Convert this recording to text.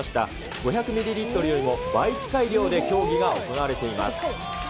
５００ミリリットルよりも倍近い量で競技が行われています。